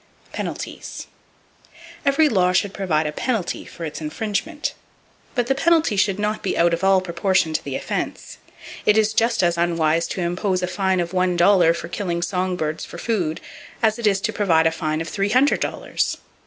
Penalties. —Every law should provide a penalty for its infringement; but the penalty should not be out of all proportion to the offense. It is just as unwise to impose a fine of one dollar for killing song birds for food as it is to provide for a fine of three hundred dollars.